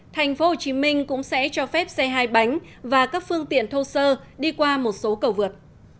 thành phố hồ chí minh cũng sẽ cho phép xe hai bánh và các phương tiện thô sơ đi qua một số cầu vượt